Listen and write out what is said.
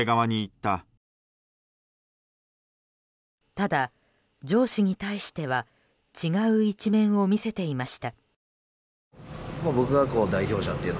ただ、上司に対しては違う一面を見せていました。